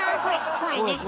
怖いね。